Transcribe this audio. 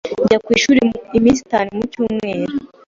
Njya ku ishuri iminsi itanu mu cyumweru.